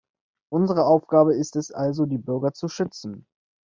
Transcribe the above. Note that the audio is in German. Unsere Aufgabe ist es also, die Bürger zu schützen.